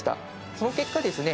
その結果ですね